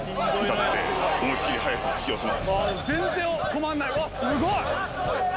全然止まんないうわすごい！